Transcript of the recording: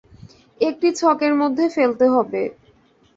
একটি ছকের মধ্যে ফেলতে হবে।